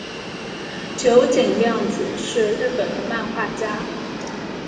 九井谅子是日本的漫画家。